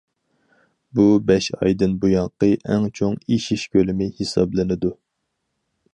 بۇ، بەش ئايدىن بۇيانقى ئەڭ چوڭ ئېشىش كۆلىمى ھېسابلىنىدۇ.